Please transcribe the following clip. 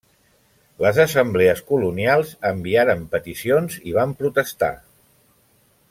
Les assemblees colonials enviaren peticions i van protestar.